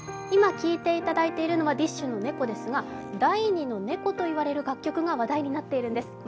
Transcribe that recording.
今、聴いていただいているのはＤＩＳＨ／／の「猫」ですが、第２の猫といわれる楽曲が話題になっているんです。